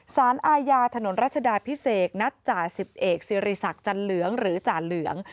สารอาญาถนนรัชดาพิเศษนัดจ่าสิบเอกสิริศักดิ์จันเหลืองหรือจ่าเหลือง